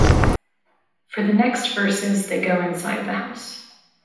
For the next verses they go inside the house.